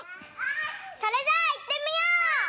それじゃあいってみよう！